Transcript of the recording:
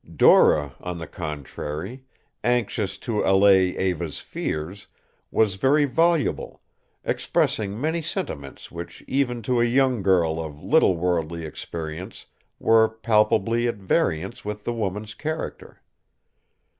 Dora, on the contrary, anxious to allay Eva's fears, was very voluble, expressing many sentiments which even to a young girl of little worldly experience were palpably at variance with the woman's character.